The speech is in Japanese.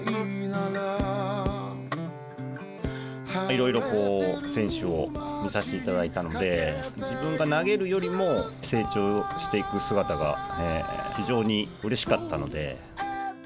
いろいろ選手を見させていただいたので、自分が投げるよりも成長していく姿が、非常にうれしかったので。